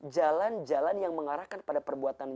jalan jalan yang mengarahkan pada perbuatan kita